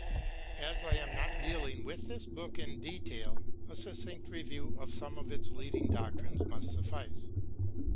As I am not dealing with this book in detail, a succinct review of some of its leading doctrines must suffice.